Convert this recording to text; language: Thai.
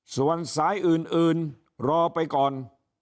ส่วนสายอื่นรอไปก่อน